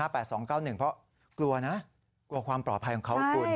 เพราะกลัวนะกลัวความปลอดภัยของเขาคุณ